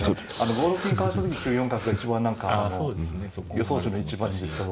５六銀かわした時に９四角が一番何かあの予想手の一番。